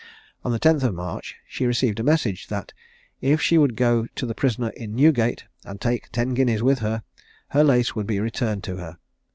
On the 10th of March, she received a message, that if she would go to the prisoner in Newgate, and take ten guineas with her, her lace would be returned to her.